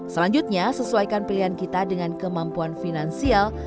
selanjutnya sesuaikan pilihan kita dengan kemampuan finansial